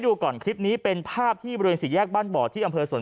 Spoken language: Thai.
ดูก่อนคลิปนี้เป็นภาพที่บริเวณสี่แยกบ้านบ่อที่อำเภอสวน